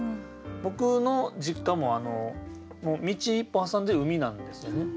僕の実家も道一本挟んで海なんですよね。